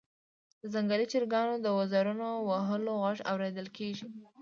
د ځنګلي چرګانو د وزرونو وهلو غږ اوریدل کیږي